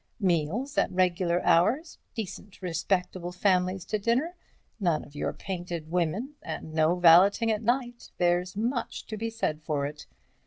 Meals at regular hours; decent, respectable families to dinner—none of your painted women—and no valeting at night, there's much to be said for it.